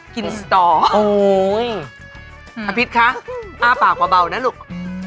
กินสตอร์อภิษคะอ้าวปากเบานะลูก